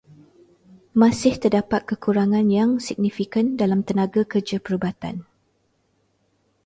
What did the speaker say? Masih terdapat kekurangan yang signifikan dalam tenaga kerja perubatan.